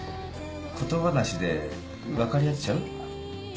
言葉なしでわかり合っちゃう？